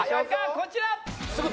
こちら！